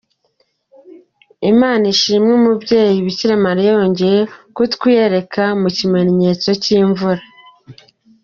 Imana ishimwe Umubyeyi Bikira Mariya yongeye kutwiyereka mu kimenyetso cy’imvura.